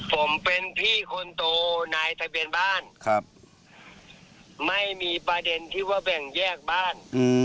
ผมเป็นพี่คนโตนายทะเบียนบ้านไม่มีประเด็นที่ว่าแบ่งแยกบ้าน